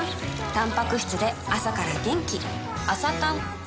たんぱく質で朝から元気